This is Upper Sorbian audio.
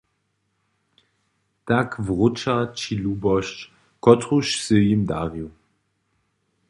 Tak wróća ći lubosć, kotruž sy jim dariła.«